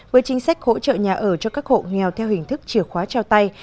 với chính sách hỗ trợ nhà ở cho các hộ nghèo theo hình thức chìa khóa trao tay